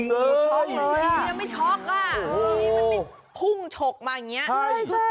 ฉ๊อกเลยแล้วไม่โชคนี่มันฟุ้งฉกมาคงอย่างนี้